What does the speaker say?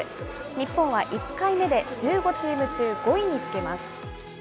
日本は１回目で１５チーム中５位につけます。